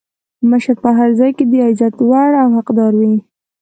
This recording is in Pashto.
مشر په هر ځای کې د عزت وړ او حقدار وي.